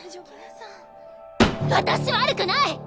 私悪くない！